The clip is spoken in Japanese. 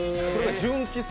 純喫茶